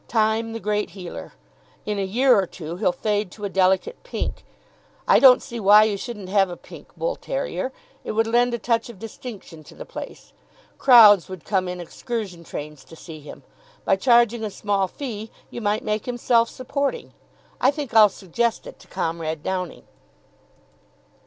Time, the Great Healer. In a year or two he'll fade to a delicate pink. I don't see why you shouldn't have a pink bull terrier. It would lend a touch of distinction to the place. Crowds would come in excursion trains to see him. By charging a small fee you might make him self supporting. I think I'll suggest it to Comrade Downing."